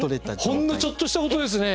ほんのちょっとしたことですね。